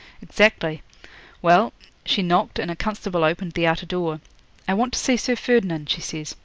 'Exactly. Well, she knocked, and a constable opened the outer door. '"I want to see Sir Ferdinand," she says.